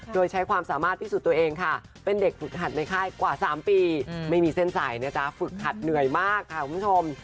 โดยใช้ความสามารถพิสูจน์ตัวเองค่ะเป็นเด็กฝึกหัดในค่ายกว่า๓ปีไม่มีเส้นใสนะจ๊ะฝึกหัดเหนื่อยมากค่ะคุณผู้ชม